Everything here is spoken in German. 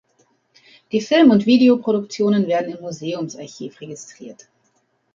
Die Film- und Video-Produktionen werden im Museums-Archiv registriert.